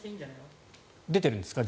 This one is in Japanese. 出ているんですか？